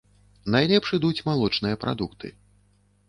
Найлепш ідуць малочныя прадукты.